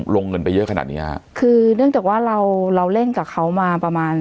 เงินไปเยอะขนาดเนี้ยฮะคือเนื่องจากว่าเราเราเล่นกับเขามาประมาณ